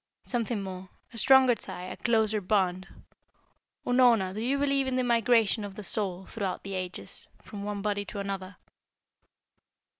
"Something more a stronger tie, a closer bond. Unorna, do you believe in the migration of the soul throughout ages, from one body to another?"